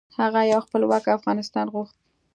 هغه یو خپلواک افغانستان غوښت .